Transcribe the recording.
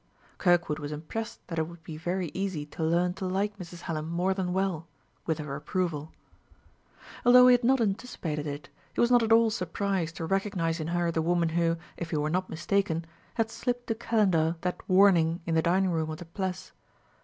Kirkwood was impressed that it would be very easy to learn to like Mrs. Hallam more than well with her approval. Although he had not anticipated it, he was not at all surprised to recognize in her the woman who, if he were not mistaken, had slipped to Calendar that warning in the dining room of the Pless.